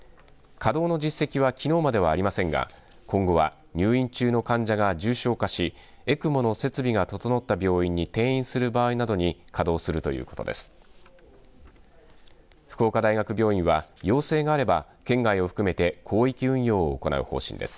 稼働の実績はきのうまではありませんが今後は入院中の患者が重症化しＥＣＭＯの設備が整った病院に転院する場合などに稼働するということです。